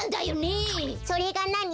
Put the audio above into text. それがなに？